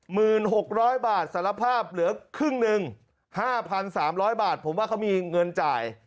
หกร้อยบาทสารภาพเหลือครึ่งหนึ่งห้าพันสามร้อยบาทผมว่าเขามีเงินจ่าย